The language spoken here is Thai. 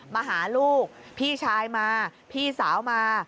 มาหาลูกพี่ชายมาพี่สาวมา